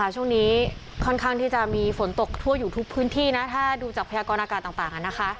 ช่วงนี้ค่อนข้างที่จะมีฝนตกทั่วอยู่ทุกพื้นที่นะถ้าดูจากพยากรณากาศต่าง